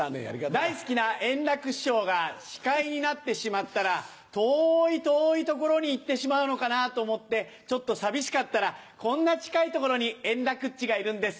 大好きな円楽師匠が司会になってしまったら遠い遠い所に行ってしまうのかなと思ってちょっと寂しかったらこんな近い所に円楽っちがいるんです。